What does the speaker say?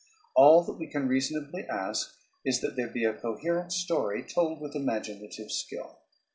All that we can reasonably ask is that there be a coherent story told with imaginative skill.